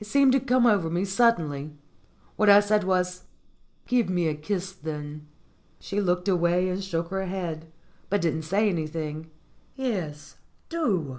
It seemed to come over me suddenly. What I said was : "Give me a kiss, then." She looked away and shook her head, but didn't say anything. "Yes, do."